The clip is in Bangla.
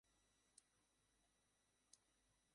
সবাই বলছে তারা না-কি গুরুর লোক, স্যার।